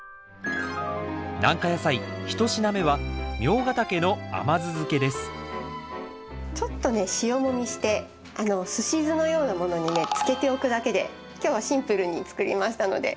軟化野菜一品目はちょっとね塩もみしてすし酢のようなものにねつけておくだけで今日はシンプルに作りましたので。